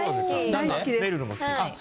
大好きです。